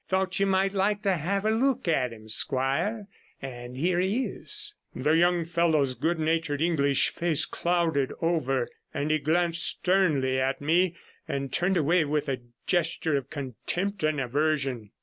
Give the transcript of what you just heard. Thought you might like to have a look at him, squire, and here he is.' The young fellow's good natured English face clouded over, and he glanced sternly at me, and turned away with a gesture of contempt and aversion.